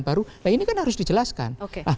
baru nah ini kan harus dijelaskan